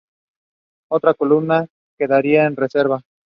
Otra columna quedaría de reserva.